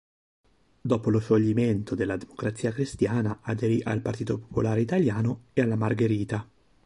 Dopo lo scioglimento della Democrazia Cristiana aderì al Partito Popolare Italiano e alla Margherita.